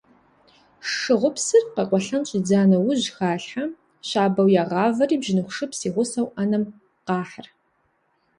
Шыгъур псыр къэкъуэлъэн щӏидза нэужь халъхьэ, щабэу ягъавэри бжьыныху шыпс и гъусэу ӏэнэм къахьыр.